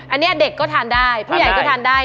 อันนี้เด็กก็ทานได้ผู้ใหญ่ก็ทานได้